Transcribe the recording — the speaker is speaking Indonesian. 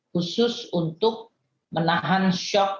khusus untuk menahan shock